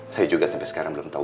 saya juga sampai sekarang belum tahu